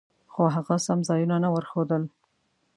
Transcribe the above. خو هغه سم ځایونه نه ورښودل.